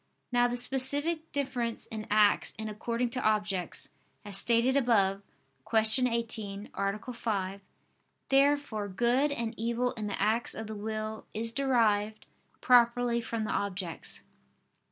Now the specific difference in acts is according to objects, as stated above (Q. 18, A. 5). Therefore good and evil in the acts of the will is derived properly from the objects.